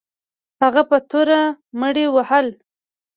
هغه په توره مړي وهل.